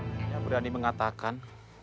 saya berani mengatakan